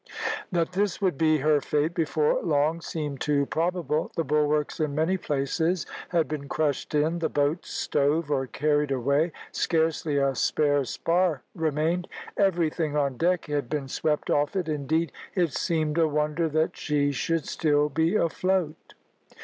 That this would be her fate before long seemed too probable; the bulwarks in many places had been crushed in the boats stove or carried away, scarcely a spare spar remained everything on deck had been swept off it; indeed, it seemed a wonder that she should still be afloat.